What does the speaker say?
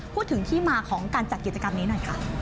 พูดถึงที่มาของการจัดกิจกรรมนี้หน่อยค่ะ